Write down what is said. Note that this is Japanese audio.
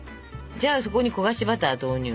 じゃあそこに焦がしバター投入。